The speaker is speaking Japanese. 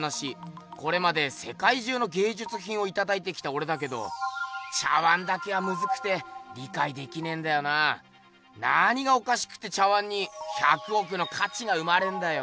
これまでせかい中のげいじゅつひんをいただいてきたおれだけど茶碗だけはムズくて理かいできねんだよなぁ。何がおかしくて茶碗に「１００億のかち」が生まれんだよ。